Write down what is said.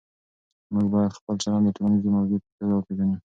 موږ باید خپل چلند د ټولنیز موجود په توګه وپېژنو.